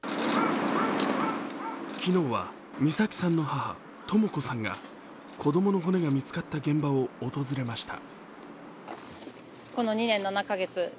昨日は美咲さんの母・とも子さんが子供の骨が見つかった現場を訪れました。